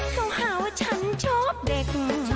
เขาหาว่าฉันชอบเด็ก